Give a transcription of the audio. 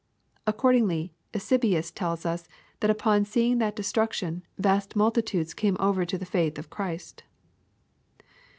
Accord ingly, Eusebius tells us, that upon seeing that destruction, vast mul titudes came over to the faith of Christ."